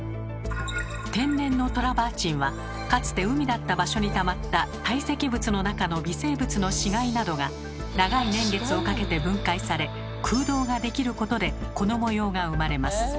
天然のトラバーチンはかつて海だった場所にたまった堆積物の中の微生物の死がいなどが長い年月をかけて分解され空洞が出来ることでこの模様が生まれます。